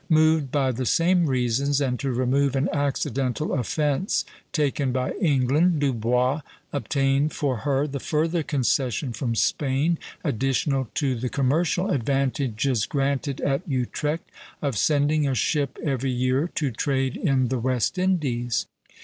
Moved by the same reasons, and to remove an accidental offence taken by England, Dubois obtained for her the further concession from Spain, additional to the commercial advantages granted at Utrecht, of sending a ship every year to trade in the West Indies.